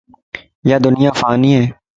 يادنيا فاني ائي